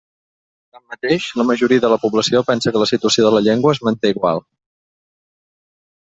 Tanmateix, la majoria de la població pensa que la situació de la llengua es manté igual.